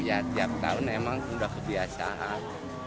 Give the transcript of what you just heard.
ya setiap tahun emang sudah kebiasaan